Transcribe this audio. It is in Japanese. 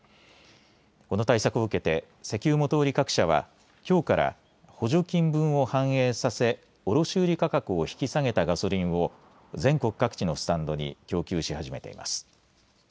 この対策を受けて石油元売り各社はきょうから補助金分を反映させ卸売価格を引き下げたガソリンを全国各地のスタンドに供給し始めています。